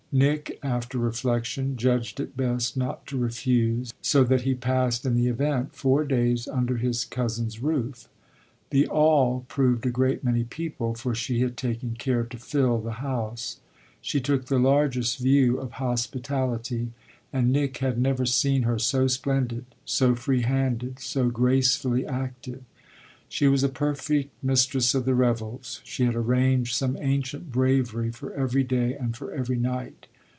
Nick, after reflexion, judged it best not to refuse, so that he passed, in the event, four days under his cousin's roof. The "all" proved a great many people, for she had taken care to fill the house. She took the largest view of hospitality and Nick had never seen her so splendid, so free handed, so gracefully active. She was a perfect mistress of the revels; she had arranged some ancient bravery for every day and for every night.